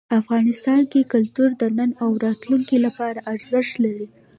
افغانستان کې کلتور د نن او راتلونکي لپاره ارزښت لري.